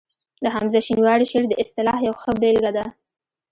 د حمزه شینواري شعر د اصطلاح یوه ښه بېلګه ده